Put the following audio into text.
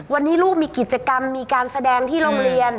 วันนี้ลูกมีกิจกรรมมีการแสดงที่โรงเรียน